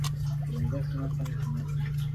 তিনি বাংলাদেশে জন্ম নেওয়া একজন ব্রিটিশ নাগরিক।